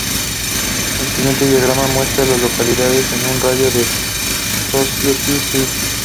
El siguiente diagrama muestra a las localidades en un radio de de Society Hill.